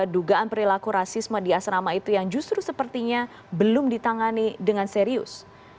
dugaan perilaku rasisme di asrama itu yang justru sepertinya belum ditangani dengan serius